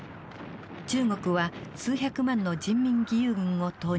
中国は数百万の人民義勇軍を投入。